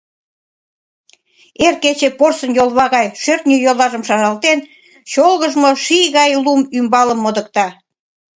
Эр кече, порсын йолва гай шӧртньӧ йоллажым шаралтен, чолгыжмо ший гай лум ӱмбалым модыкта.